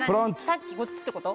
さっきこっちってこと？